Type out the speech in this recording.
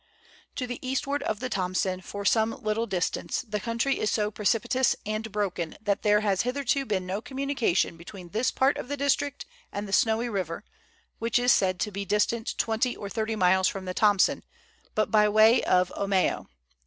To the eastward of the Thomson for some little distance, the country is so precipitous and broken that there has hitherto been no communication between this part of the district and the Snowy River (which is said to be distant 20 or 30 miles from the Thomson) but by way of Omeo.